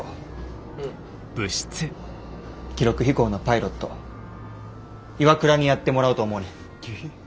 記録飛行のパイロット岩倉にやってもらおうと思うねん。